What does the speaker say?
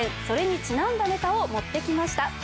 それにちなんだネタを持ってきました。